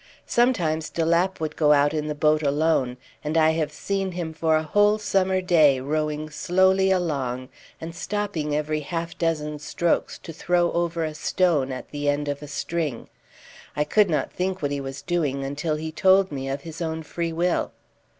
Sometimes de Lapp would go out in the boat alone, and I have seen him for a whole summer day rowing slowly along and stopping every half dozen strokes to throw over a stone at the end of a string. I could not think what he was doing until he told me of his own freewill.